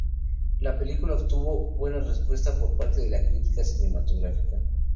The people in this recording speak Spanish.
La película obtuvo una buena respuesta por parte de la crítica cinematográfica.